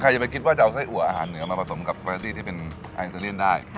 ใครจะไปกินว่าจะเอาไส้หัวอาหารเหนือมาผสมกับสไพรซีที่เป็นไทยอันตรีย์ได้